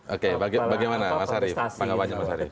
oke bagaimana mas hari